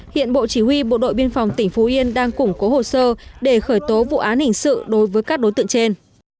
hiện bộ chỉ huy bộ đội biên phòng tỉnh phú yên đang củng cố hồ sơ để khởi tố vụ án hình sự đối với các đối tượng trên